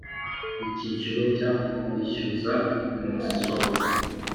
icyiciro cya kwishyuza umusoro